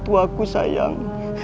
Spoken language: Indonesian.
dan itu aku sayang